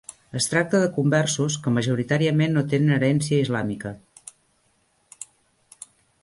Es tracta de conversos que majoritàriament no tenen herència islàmica.